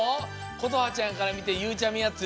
ことはちゃんからみてゆうちゃみはツルツル？